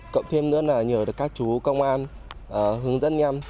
cộng thêm nữa là nhờ được các chú công an hướng dẫn em